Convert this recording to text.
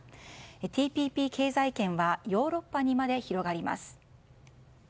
ＴＰＰ経済圏はヨーロッパにまで広がります。